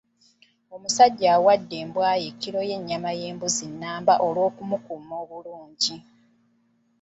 Omusajja awadde embwa ye kiro y'ennyama y'embuzi nnamba olw'okumukuuma obulungi.